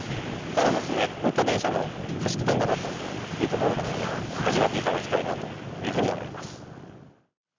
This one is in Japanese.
ただ、こういった電車も走っていたんだなというところを味わっていただきたいなと思います。